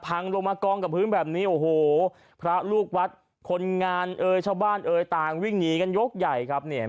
พังลงมากองกับพื้นแบบนี้โอ้โหพระลูกวัดคนงานเอ่ยชาวบ้านเอ่ยต่างวิ่งหนีกันยกใหญ่ครับเนี่ย